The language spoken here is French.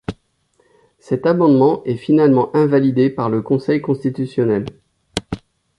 Cet amendement est finalement invalidé par le Conseil constitutionnel.